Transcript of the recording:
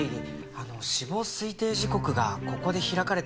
あの死亡推定時刻がここで開かれた。